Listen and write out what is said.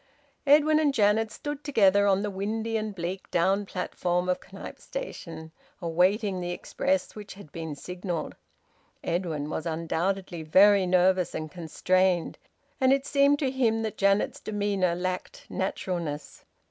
Edwin and Janet stood together on the windy and bleak down platform of Knype Station, awaiting the express, which had been signalled. Edwin was undoubtedly very nervous and constrained, and it seemed to him that Janet's demeanour lacked naturalness.